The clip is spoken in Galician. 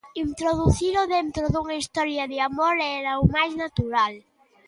Introducilo dentro dunha historia de amor era o máis natural.